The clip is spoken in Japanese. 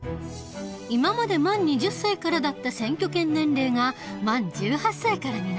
今まで満２０歳からだった選挙権年齢が満１８歳からになった。